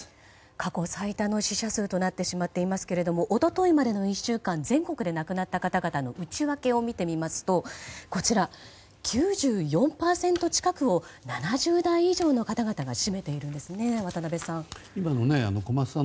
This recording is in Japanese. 過去最多の死者数となってしまっていますが一昨日までの１週間全国で亡くなった方々の内訳を見てみますと９４％近くを７０代以上の方々が占めているんですね、渡辺さん。